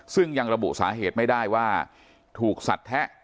ซึ่งยังระบุสาเหตุไม่ได้ว่าถูกสัดแทะ